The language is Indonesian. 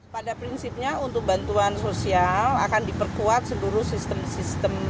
pada prinsipnya untuk bantuan sosial akan diperkuat seluruh sistem sistem